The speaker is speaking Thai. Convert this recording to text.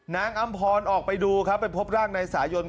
นางอำพรออกไปดูไปพบร่างในสายยนต์